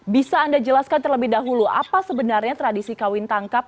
bisa anda jelaskan terlebih dahulu apa sebenarnya tradisi kawin tangkap